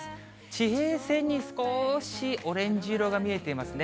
地平線に少しオレンジ色が見えていますね。